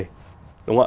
đúng không ạ